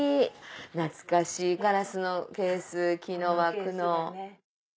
懐かしいガラスのケース木の枠の。